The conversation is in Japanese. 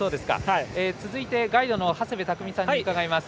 続いてガイドの長谷部匠さんに伺います。